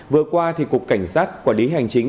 vừa qua cục cảnh sát quản lý hành chính